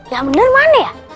yang bener mana ya